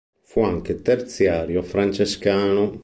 Fu anche terziario francescano.